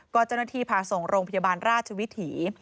ก็เจ้าหน้าที่พาส่งโรงพยาบาลราชวิถี